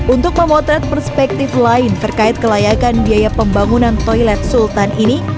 untuk memotret perspektif lain terkait kelayakan biaya pembangunan toilet sultan ini